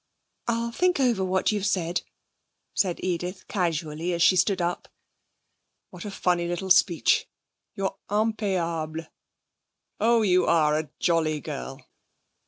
'I'll think over what you said,' said Edith casually as she stood up. 'What a funny little speech. You're impayable! Oh, you are a jolly girl!'